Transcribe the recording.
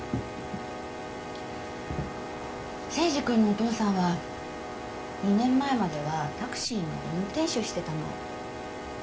征二君のお父さんは２年前まではタクシーの運転手してたの。